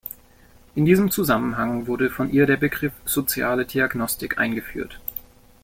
In diesem Zusammenhang wurde von ihr der Begriff "Soziale Diagnostik" eingeführt.